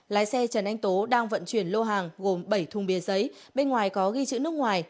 lái xe trần anh tú đang vận chuyển lô hàng gồm bảy thùng bia giấy bên ngoài có ghi chữ nước ngoài